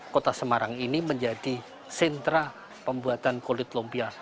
kota semarang ini menjadi sentra pembuatan kulit lumpia